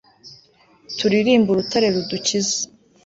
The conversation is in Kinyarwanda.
turirimbe urutare rudukiza